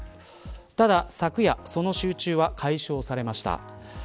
ただ昨夜その集中は解消されました。